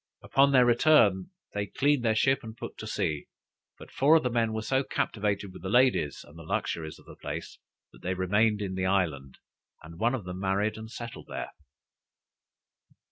Upon their return, they cleaned their ship and put to sea, but four of the men were so captivated with the ladies and the luxuries of the place, that they remained in the island, and one of them married and settled there.